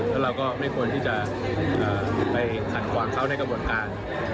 แล้วเราก็ไม่ควรที่จะไปขัดขวางเขาในกระบวนการ